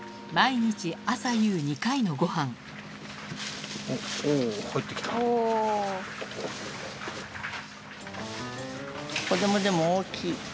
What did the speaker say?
毎日朝夕２回のごはん子供でも大きい。